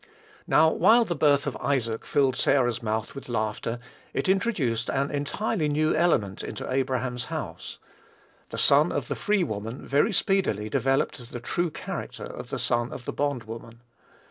Now, while the birth of Isaac filled Sarah's mouth with laughter, it introduced an entirely new element into Abraham's house. The son of the free woman very speedily developed the true character of the son of the bond woman.